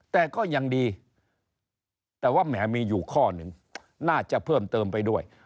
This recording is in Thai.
แต่ก็ยังดีแต่ว่าแหมมีอยู่ข้อหนึ่งน่าจะเพิ่มเติมไปด้วย